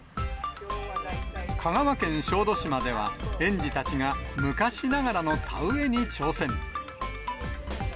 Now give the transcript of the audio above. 香川県小豆島では、園児たちが昔ながらの田植えに挑戦。